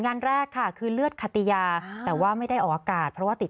งานแรกค่ะคือเลือดคติยาแต่ว่าไม่ได้ออกอากาศเพราะว่าติด